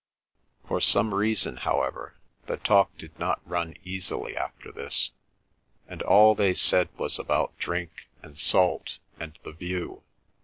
For some reason, however, the talk did not run easily after this, and all they said was about drink and salt and the view.